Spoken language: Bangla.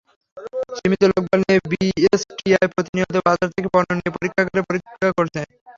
সীমিত লোকবল নিয়ে বিএসটিআই প্রতিনিয়ত বাজার থেকে পণ্য নিয়ে পরীক্ষাগারে পরীক্ষা করছে।